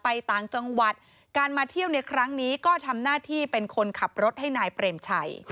ต่างจังหวัดการมาเที่ยวในครั้งนี้ก็ทำหน้าที่เป็นคนขับรถให้นายเปรมชัย